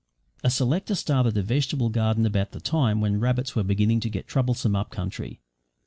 A selector started a vegetable garden about the time when rabbits were beginning to get troublesome up country.